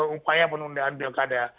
upaya penundaan pilkada